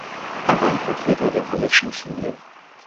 Er war ein Vertreter der Halleschen Schule.